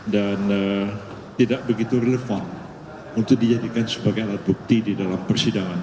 dan tidak begitu relevan untuk dijadikan sebagai alat bukti di dalam persidangan